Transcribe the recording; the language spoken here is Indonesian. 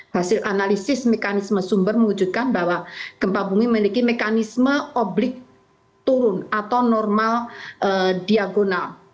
hasil analisis mekanisme sumber mewujudkan bahwa gempa bumi memiliki mekanisme oblik turun atau normal diagonal